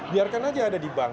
biarkan aja ada di bank